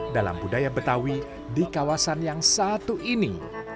dalam budaya betawi di kawasan yang satu ini